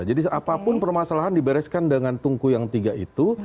jadi apapun permasalahan dibereskan dengan tunku yang tiga itu